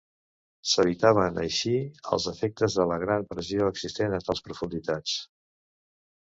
S'evitaven així els efectes de la gran pressió existent a tals profunditats.